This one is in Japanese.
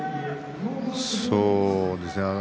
そうですね。